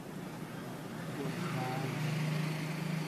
ส่วนกลาง